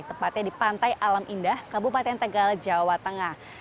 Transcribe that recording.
tepatnya di pantai alam indah kabupaten tegal jawa tengah